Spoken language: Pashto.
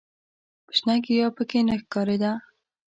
شنه ګیاه په کې نه ښکارېده.